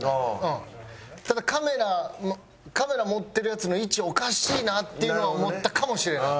ただカメラカメラ持ってるヤツの位置おかしいなっていうのは思ったかもしれない。